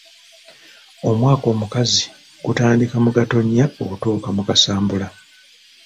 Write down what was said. Omwaka omukazi gutandika mu Gatonnya okutuuka mu Kasambula.